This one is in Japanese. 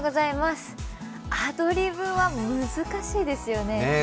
アドリブは難しいですよね。